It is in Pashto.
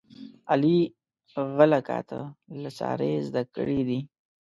علي غله کاته له سارې زده کړي دي.